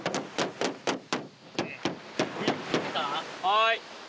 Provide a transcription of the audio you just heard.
はい。